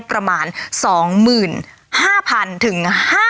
ประมาณ๒๕๐๐๐๕๐๐๐๐ถุง